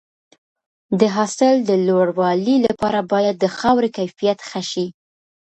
د حاصل د لوړوالي لپاره باید د خاورې کیفیت ښه شي.